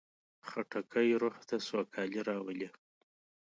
خټکی روح ته سوکالي راولي.